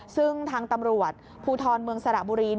ซึ่งทางตำรวจภูทรเมืองสระบุรี